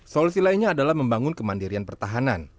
solusi lainnya adalah membangun kemandirian pertahanan